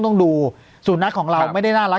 ต้องดูสุนัขของเราไม่ได้น่ารัก